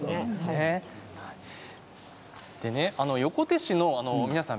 横手市の皆さん